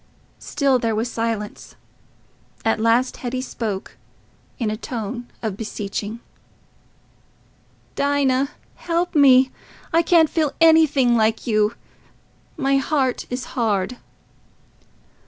Still there was silence. At last Hetty spoke, in a tone of beseeching— "Dinah... help me... I can't feel anything like you...my heart is hard."